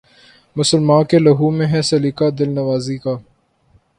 مسلماں کے لہو میں ہے سلیقہ دل نوازی کا